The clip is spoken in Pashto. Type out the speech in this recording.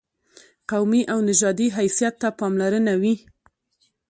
قومي او نژادي حیثیت ته پاملرنه وي.